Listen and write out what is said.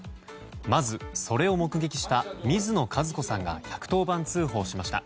まず、それを目撃した水野和子さんが１１０番通報しました。